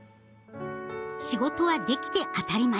仕事はできて当たり前。